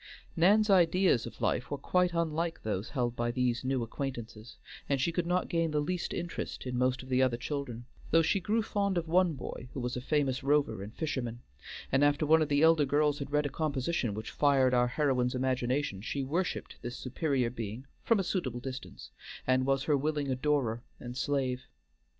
Nan's ideas of life were quite unlike those held by these new acquaintances, and she could not gain the least interest in most of the other children, though she grew fond of one boy who was a famous rover and fisherman, and after one of the elder girls had read a composition which fired our heroine's imagination, she worshiped this superior being from a suitable distance, and was her willing adorer and slave.